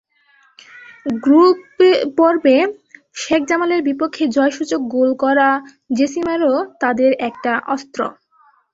Group পর্বে শেখ জামালের বিপক্ষে জয়সূচক গোল করা জেসিমারও তাদের একটা অস্ত্র।